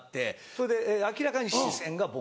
それで明らかに視線が僕。